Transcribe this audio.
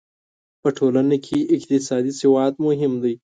په ټولنه کې اقتصادي سواد مهم دی.